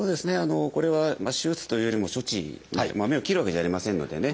これは手術というよりも処置目を切るわけじゃありませんのでね